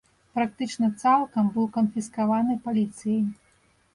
Практычна цалкам быў канфіскаваны паліцыяй.